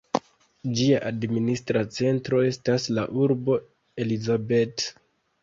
Ĝia administra centro estas la urbo Elizabeth.